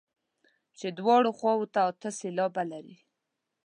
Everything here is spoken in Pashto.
چې دواړو خواوو ته اته سېلابه لري.